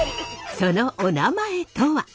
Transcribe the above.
そのおなまえとは？